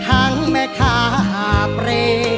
ทั้งแม่ข้าพเล